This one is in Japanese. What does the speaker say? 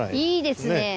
いいですね！